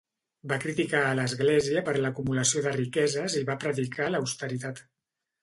Va criticar a l'Església per l'acumulació de riqueses i va predicar l'austeritat.